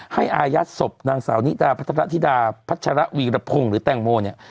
อายัดศพนางสาวนิดาพัทรธิดาพัชระวีรพงศ์หรือแตงโมเนี่ย